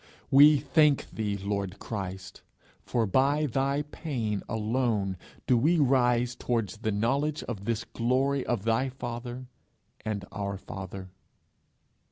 We thank thee, Lord Christ, for by thy pain alone do we rise towards the knowledge of this glory of thy rather and our Father.